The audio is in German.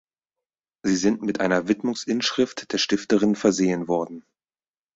Sie sind mit einer Widmungsinschrift der Stifterin versehen worden.